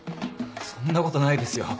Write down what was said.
そんなことないですよ